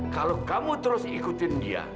kalau kamu terus ikutin dia